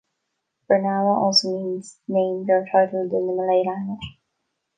Bernama also means "named" or "titled" in the Malay language.